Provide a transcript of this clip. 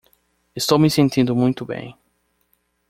Estou me sentindo muito bem.